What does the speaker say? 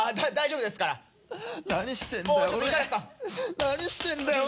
何してんだよ俺！